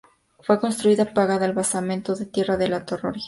Fue construida pegada al basamento de tierra de la torre original.